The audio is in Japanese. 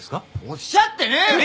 おっしゃってねえよ！